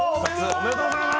おめでとうございます！